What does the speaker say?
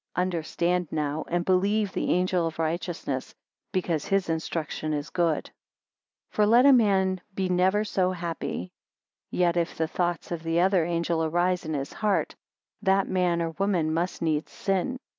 Understand now and believe the angel of righteousness, because his instruction is good. 16 For let a man be never so happy; yet if the thoughts of the other angel arise in his heart, that man or woman must needs sin.